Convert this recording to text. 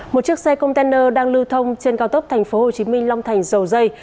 một chiếc xe container đang lưu thông trên cao tốc tp hcm long thành dầu dây